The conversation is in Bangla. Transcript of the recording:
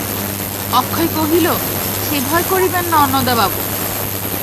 অক্ষয় কহিল, সে ভয় করিবেন না অন্নদাবাবু।